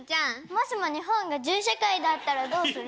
もしも日本が銃社会だったらどうする？